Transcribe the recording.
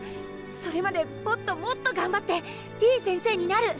それまでもっともっと頑張っていい先生になる！